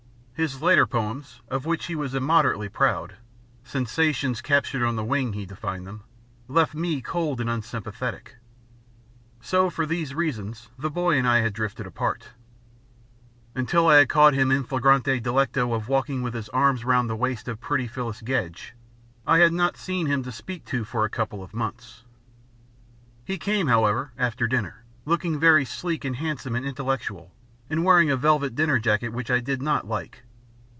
His later poems, of which he was immodestly proud "Sensations Captured on the Wing," he defined them left me cold and unsympathetic. So, for these reasons, the boy and I had drifted apart. Until I had caught him in flagrante delicto of walking with his arm round the waist of pretty Phyllis Gedge, I had not seen him to speak to for a couple of months. He came, however, after dinner, looking very sleek and handsome and intellectual, and wearing a velvet dinner jacket which I did not like.